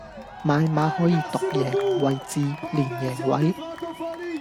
買馬可以買獨贏、位置、連贏位